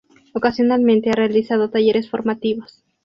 Ocasionalmente ha realizado talleres formativos.